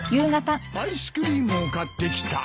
アイスクリームを買ってきた。